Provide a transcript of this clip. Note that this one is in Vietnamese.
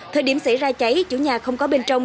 thời điểm xảy ra cháy chủ nhà không có bên trong